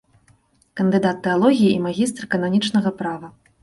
Кандыдат тэалогіі і магістр кананічнага права.